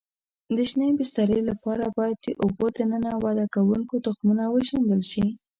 د شینې بسترې لپاره باید د اوبو دننه وده کوونکو تخمونه وشیندل شي.